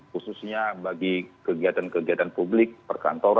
khususnya bagi kegiatan kegiatan publik perkantoran